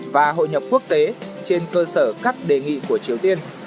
và hội nhập quốc tế trên cơ sở các đề nghị của triều tiên